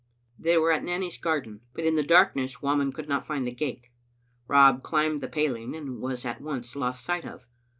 They were at Nanny's garden, but in the darkn<ess Whamond could not find the gate. Rob climbed the paling, and was at once lost sight of.